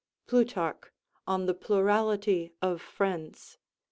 [Plutarch, On the Plurality of Friends, c.